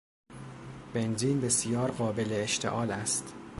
بنزین بسیار قابل اشتعال است.